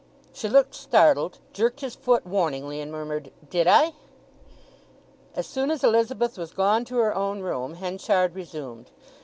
She looked startled, jerked his foot warningly, and murmured, "Did I?" As soon as Elizabeth was gone to her own room Henchard resumed.